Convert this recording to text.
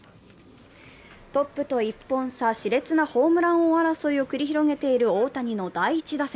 トップと１本差、しれつなホームラン王争いを繰り広げている大谷の第１打席。